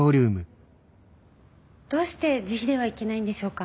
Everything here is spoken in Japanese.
どうして自費ではいけないんでしょうか。